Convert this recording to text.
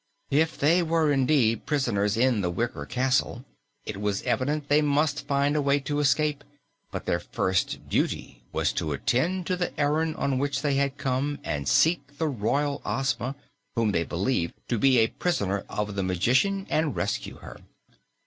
If they were indeed prisoners in the wicker castle, it was evident they must find a way to escape, but their first duty was to attend to the errand on which they had come and seek the Royal Ozma, whom they believed to be a prisoner of the magician, and rescue her.